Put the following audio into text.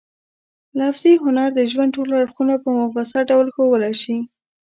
لفظي هنر د ژوند ټول اړخونه په مفصل ډول ښوولای شي.